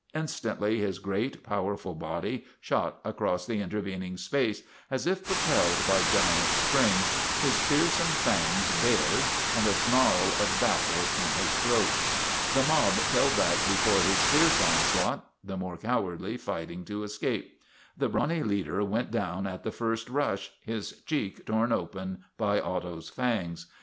Instantly his great, powerful body shot across the intervening space as if propelled by giant springs, his fearsome fangs bared and the snarl of battle in his throat. The mob fell back before his fierce onslaught, the more cowardly fighting to escape. The brawny leader went down at the first rush, his cheek torn open by Otto's fangs.